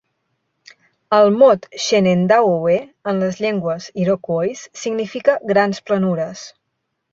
El mot "Shenendahowe" en les llengües iroquois significa Grans planures.